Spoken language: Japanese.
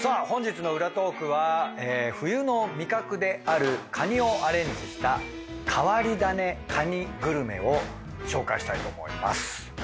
本日の裏トークは冬の味覚であるカニをアレンジした変わり種カニグルメを紹介したいと思います。